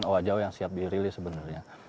owa jawa yang siap dirilis sebenarnya